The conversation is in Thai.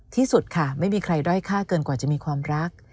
ที่สุดค่ะไม่มีใครด้อยค่าเกินกว่าจะมีความรัก